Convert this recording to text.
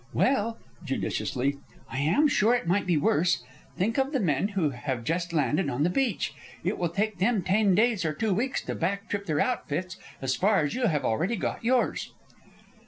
"Well," judiciously, "I am sure it might be worse. Think of the men who have just landed on the beach. It will take them ten days or two weeks to back trip their outfits as far as you have already got yours."